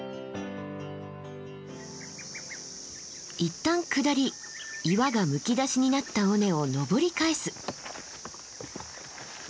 いったん下り岩がむき出しになった尾根を登り返す。